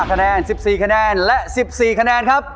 ๑๕คะแนน๑๔คะแนน๒๔คะแนนครับ